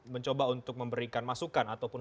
mencoba untuk memberikan masukan ataupun